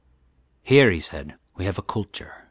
"Here," he said, "we have a culture.